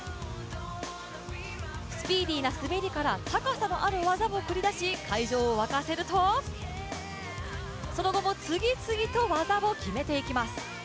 スピーディーな滑りから高さのある技を繰り出し、会場を沸かせると、その後も次々と技を決めていきます。